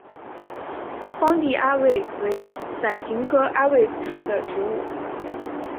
荒地阿魏为伞形科阿魏属的植物。